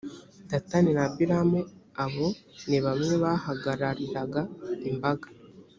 datani na abiramu abo, ni bamwe bahagarariraga imbaga.